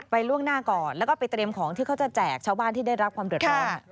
ล่วงหน้าก่อนแล้วก็ไปเตรียมของที่เขาจะแจกชาวบ้านที่ได้รับความเดือดร้อน